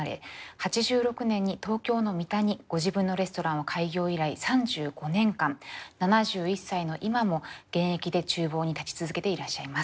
８６年に東京の三田にご自分のレストランを開業以来３５年間７１歳の今も現役で厨房に立ち続けていらっしゃいます。